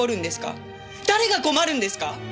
誰が困るんですか？